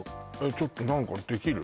ちょっと何かできる？